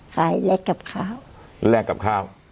ใครแลกกับเขาแลกกับเขา